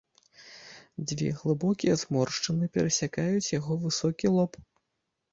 Дзве глыбокія зморшчыны перасякаюць яго высокі лоб.